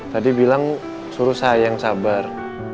tadi bilang suruh saya yang sabar